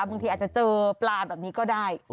บางทีอาจจะเจอปลาแบบนี้ก็ได้